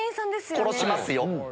殺しますよ。